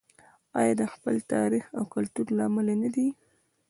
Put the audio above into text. آیا د خپل تاریخ او کلتور له امله نه دی؟